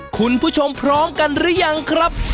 คุณผู้ชมพร้อมกันหรือยังครับ